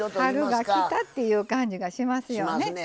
春が来たっていう感じがしますよね。